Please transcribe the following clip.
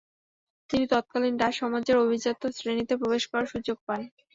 তিনি তৎকালীন ডাচ সমাজের অভিজাত শ্রেণিতে প্রবেশ করার সুযোগ পান।